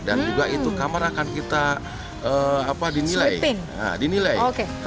dan juga itu kamar akan kita dinilai